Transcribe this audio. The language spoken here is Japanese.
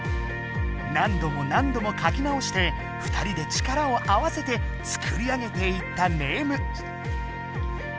何度も何度もかき直して二人で力を合わせて作りあげていったネーム。